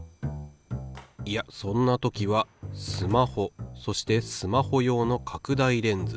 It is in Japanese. いやそんな時はスマホそしてスマホ用の拡大レンズ。